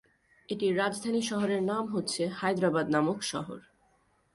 এটির রাজধানী শহরের নাম হচ্ছে হায়দ্রাবাদ নামক শহর।